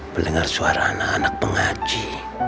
mendengar suara anak anak pengaji